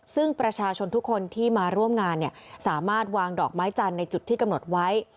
ซึ่งประชาชนทุกคนที่มาร่วมงานสามารถวางดอกไม้จันทร์ในจุดที่กำหนดไว้